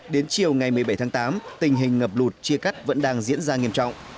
đến chiều ngày một mươi bảy tháng tám tình hình ngập lụt chia cắt vẫn đang diễn ra nghiêm trọng